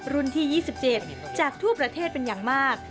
ที่๒๗จากทั่วประเทศเป็นอย่างมาก